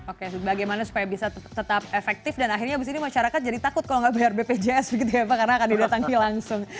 oke bagaimana supaya bisa tetap efektif dan akhirnya abis ini masyarakat jadi takut kalau nggak bayar bpjs begitu ya pak karena akan didatangi langsung